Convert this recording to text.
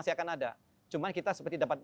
masih akan ada cuma kita seperti dapat